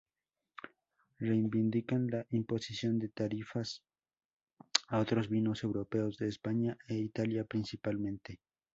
Reivindican la imposición de tarifas a otros vinos europeos, de España e Italia principalmente.